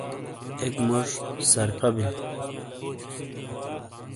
اک موج سرفا بل،